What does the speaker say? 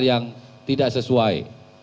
yang tidak sesuai